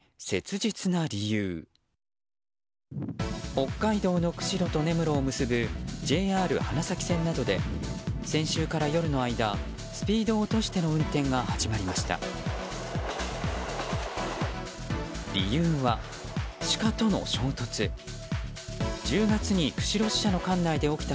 北海道の釧路と根室を結ぶＪＲ花咲線などで先週から夜の間スピードを落としての運転が始まりました。